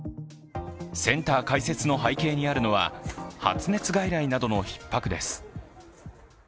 センター開設の背景にあるのは、発熱外来などのひっ迫です。